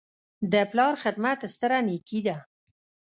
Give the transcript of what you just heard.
د پلار خدمت ستره نیکي ده.